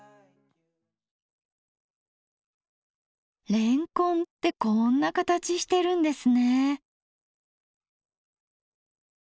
れんこんってこんな形してるんですね。